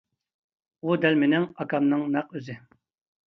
-ئۇ دەل مىنىڭ ئاكامنىڭ نەق ئۆزى!